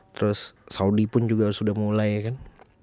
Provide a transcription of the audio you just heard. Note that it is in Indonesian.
terus saudi pun juga sudah mulai kan